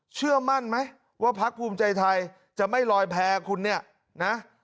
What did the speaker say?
เชื่อมั่นไหมว่าพักภูมิใจไทยจะไม่ลอยแพ้คุณเนี่ยนะ